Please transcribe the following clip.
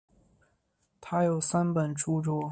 他有三本着作。